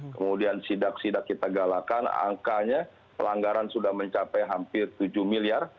kemudian sidak sidak kita galakan angkanya pelanggaran sudah mencapai hampir tujuh miliar